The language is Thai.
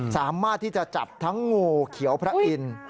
สามารถที่จะจับทั้งงูเขียวพระอินทร์